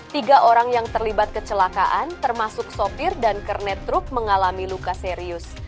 tiga orang yang terlibat kecelakaan termasuk sopir dan kernet truk mengalami luka serius